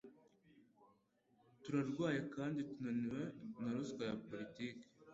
Turarwaye kandi tunaniwe na ruswa ya politiki.